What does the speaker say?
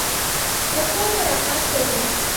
له خوبه را پاڅېدم.